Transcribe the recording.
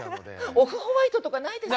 オフホワイトとかないですか？